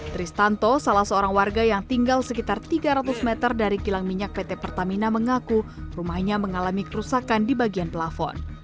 tristanto salah seorang warga yang tinggal sekitar tiga ratus meter dari kilang minyak pt pertamina mengaku rumahnya mengalami kerusakan di bagian pelafon